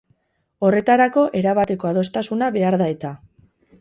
Horretarako erabateko adostasuna behar da-eta.